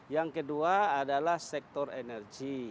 yang kedua adalah sektor energi